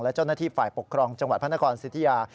และเจ้าหน้าที่ฝ่ายปกครองจังหวัดพระนครสิทธิยา